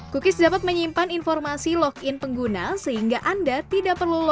cookies dapat menyimpan informasi login pengguna sehingga anda tidak perlu lolos